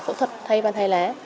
phẫu thuật thay van hai lá